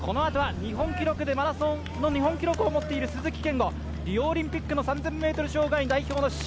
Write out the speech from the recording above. このあとはマラソンの日本記録を持っている鈴木健吾、リオオリンピックの３０００ｍ